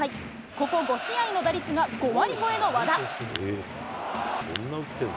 ここ５試合の打率が５割超えの和田。